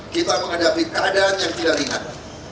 kita menghadapi keadaan yang tidak ringan